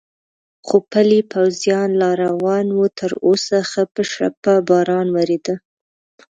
خو پلی پوځیان لا روان و، تراوسه ښه په شړپا باران ورېده.